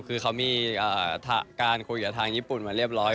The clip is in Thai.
คือเค้ามีค่าคุยกับทางญี่ปุ่นเหมือนเรียบร้อย